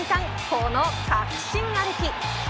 この確信歩き。